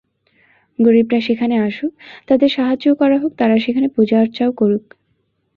গরীবরা সেখানে আসুক, তাদের সাহায্যও করা হোক, তারা সেখানে পূজা-অর্চাও করুক।